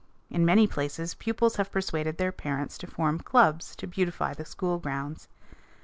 In many places pupils have persuaded their parents to form clubs to beautify the school grounds.